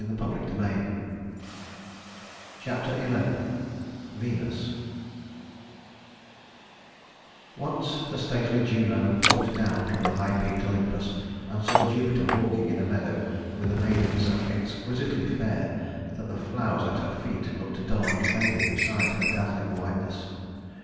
[Illustration: Juno] Chapter XI Venus I Once the stately Juno looked down from high peaked Olympus and saw Jupiter walking in a meadow with a maiden so exquisitely fair that the flowers at her feet looked dull and faded beside her dazzling whiteness.